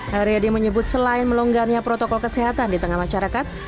heriadi menyebut selain melonggarnya protokol kesehatan di tengah masyarakat